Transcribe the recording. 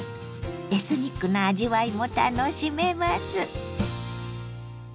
エスニックな味わいも楽しめます。